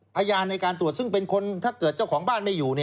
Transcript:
พยานในการตรวจซึ่งเป็นคนถ้าเกิดเจ้าของบ้านไม่อยู่